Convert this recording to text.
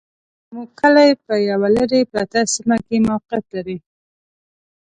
زموږ کلي په يوه لري پرته سيمه کي موقعيت لري